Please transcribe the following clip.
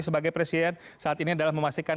sebagai presiden saat ini adalah memastikan